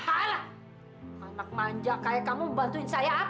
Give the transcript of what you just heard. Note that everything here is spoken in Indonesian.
anak manja kayak kamu bantuin saya apa